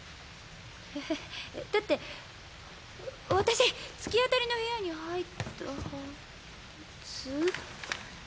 えっだってわ私突き当たりの部屋に入ったはず。